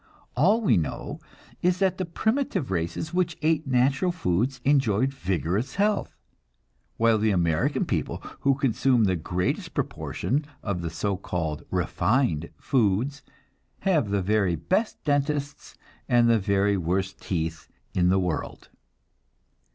All we know is that the primitive races, which ate natural foods, enjoyed vigorous health, while the American people, who consume the greatest proportion of the so called "refined" foods, have the very best dentists and the very worst teeth in the world.